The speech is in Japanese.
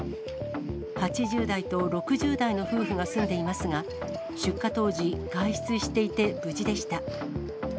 ８０代と６０代の夫婦が住んでいますが、出火当時、外出していて無事でした。